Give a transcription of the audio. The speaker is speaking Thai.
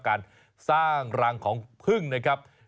การสร้างรังของพึ่งนะครับ